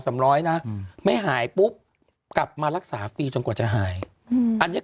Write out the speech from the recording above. ร้อยนะอืมไม่หายปุ๊บกลับมารักษาฟรีจนกว่าจะหายอืมอันเนี้ย